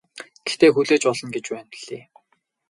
Гэхдээ хүлээж болно гэж байна билээ.